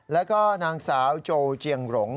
แล้วก็นางสาวโจเจียงหลง